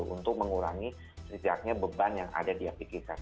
untuk mengurangi setiapnya beban yang ada di apikirkan